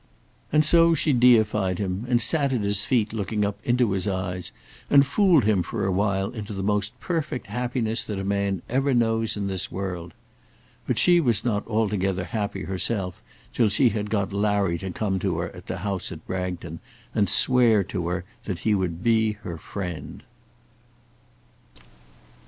And so she deified him, and sat at his feet looking up into his eyes, and fooled him for a while into the most perfect happiness that a man ever knows in this world. But she was not altogether happy herself till she had got Larry to come to her at the house at Bragton and swear to her that he would be her friend.